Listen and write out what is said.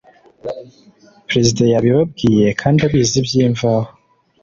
perezida yabibabwiye, kandi abizi by’imvaho.